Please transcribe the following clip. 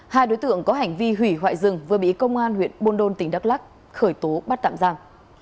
hai đối tượng có hành vi hủy hoại rừng vừa bị công an huyện buôn đôn tỉnh đắk lắc khởi tố bắt tạm giam